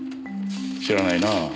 知らないな。